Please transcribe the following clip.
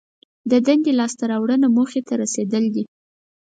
دندې لاس ته راوړنه موخې رسېدلي دي.